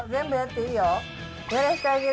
いいよー。